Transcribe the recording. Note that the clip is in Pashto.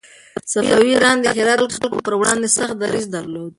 صفوي ایران د هرات د خلکو پر وړاندې سخت دريځ درلود.